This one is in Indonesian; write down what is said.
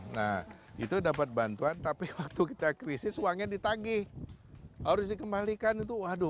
nah itu dapat bantuan tapi waktu kita krisis uangnya ditagih harus dikembalikan itu waduh